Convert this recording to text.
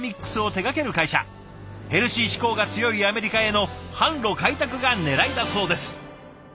ヘルシー志向が強いアメリカへの販路開拓がねらいだそうです。